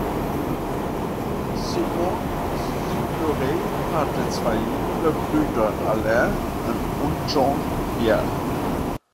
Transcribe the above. Simone Signoret hatte zwei jüngere Brüder, Alain und Jean-Pierre.